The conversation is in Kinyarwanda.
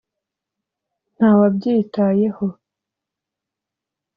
nta wabyitayeho